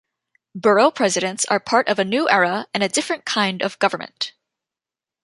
Borough presidents are part of a new era and a different kind of government.